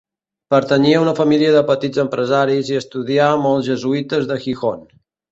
Pertanyia a una família de petits empresaris i estudià amb els jesuïtes de Gijón.